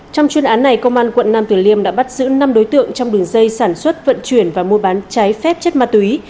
trong chuyên án này công an quận nam tử liêm đã bắt giữ năm đối tượng trong đường dây sản xuất vận chuyển và mua bán trái phép chất ma túy